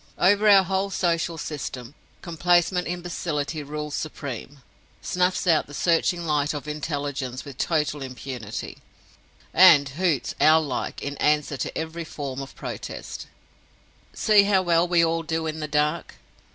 Over our whole social system, complacent Imbecility rules supreme—snuffs out the searching light of Intelligence with total impunity—and hoots, owl like, in answer to every form of protest, See how well we all do in the dark!